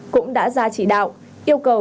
cũng đã ra chỉ đạo yêu cầu